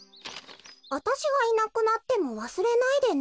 「わたしがいなくなってもわすれないでね」。